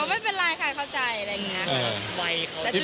ไม่เป็นไรค่ะเข้าใจอะไรอย่างนี้ค่ะ